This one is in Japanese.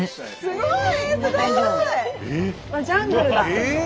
すごい！